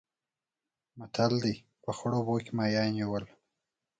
متل دی: په خړو اوبو کې ماهیان نیول.